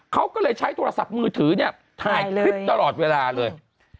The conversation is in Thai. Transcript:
เขาก็เลยใช้โทรศัพท์มือถือเนี่ยถ่ายคลิปตลอดเวลาเลย